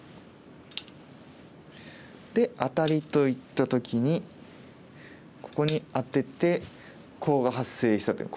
でアタリといった時にここにアテてコウが発生したという。